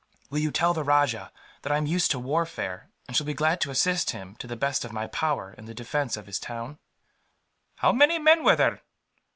"Will you tell the rajah that I am used to warfare, and shall be glad to assist him, to the best of my power, in the defence of his town?" "How many men were there?"